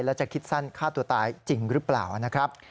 แล้วจะคิดสั้นฆ่าตัวตายจริงหรือเปล่านะครับ